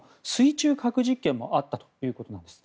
この水中核実験もあったということです。